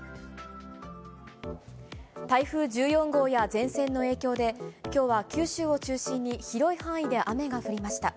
台風１４号や前線の影響で、きょうは九州を中心に広い範囲で雨が降りました。